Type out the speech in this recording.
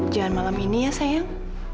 jangan malam ini ya sayang